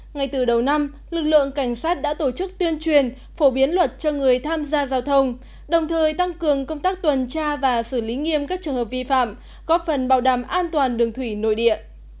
ngay từ đầu năm lực lượng cảnh sát đã tổ chức tuyên truyền phổ biến luật cho người tham gia giao thông đồng thời tăng cường công tác tuần tra và xử lý nghiêm các trường hợp vi phạm góp phần bảo đảm an toàn đường thủy nội địa